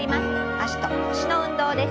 脚と腰の運動です。